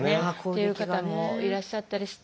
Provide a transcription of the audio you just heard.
っていう方もいらっしゃったりして。